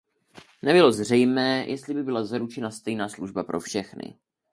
Nebylo zřejmé, jestli by byla zaručena stejná služba pro všechny.